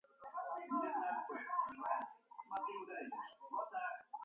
მეჩეთს ჰქონდა სწორკუთხოვანი თიხის კონსტრუქციის ფორმა ღია ეზოთი, ჰქონდა რამდენიმე ასეული გუმბათი.